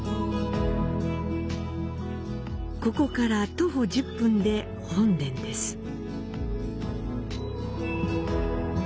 ここから徒歩１０分で本殿です。